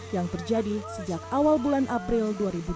yang terjadi sejak awal bulan april dua ribu dua puluh